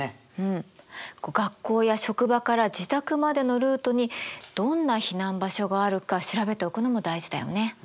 うん学校や職場から自宅までのルートにどんな避難場所があるか調べておくのも大事だよね。